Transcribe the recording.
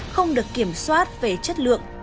không được kiểm soát về chất lượng